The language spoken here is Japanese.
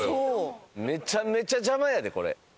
めちゃめちゃ邪魔やでこれ。